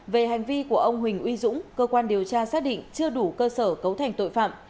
về hành vi của ông huỳnh uy dũng cơ quan điều tra xác định chưa đủ cơ sở cấu thành tội phạm